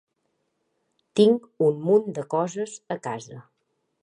Tinc un munt de coses a casa.